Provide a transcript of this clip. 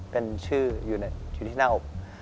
เป็นชื่ออยู่ที่หน้าอก